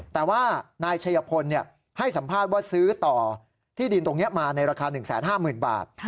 แต่ว่านายชัยพลให้สัมภาษณ์ว่าซื้อต่อที่ดินตรงนี้มาในราคา๑๕๐๐๐บาท